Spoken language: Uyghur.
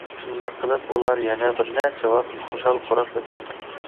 شۇنداق قىلىپ، ئۇلار يەنە بىر نەچچە ۋاقىت خۇشال-خۇرام ئۆتۈپتۇ.